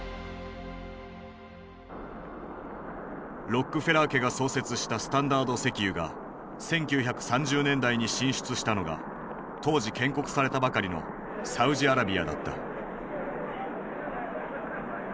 ロックフェラー家が創設したスタンダード石油が１９３０年代に進出したのが当時建国されたばかりのサウジアラビアだった。